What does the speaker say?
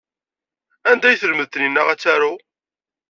Anda ay telmed Taninna ad taru?